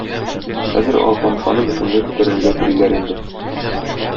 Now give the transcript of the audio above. Хәзер Алпамшаны бөтенләй бетерергә телиләр инде.